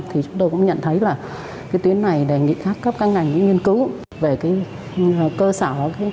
thì chúng tôi cũng nhận thấy là tuyến này đề nghị các căn ngành nghiên cứu về cơ sở